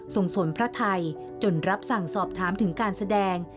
ส่งสวนพระไทยจนรับสั่งสอบถามถึงการแสดง